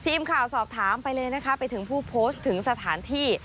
ทีมข่าวสอบถามไปเลยนะคะไปถึงผู้โพสต์ถึงสถานที่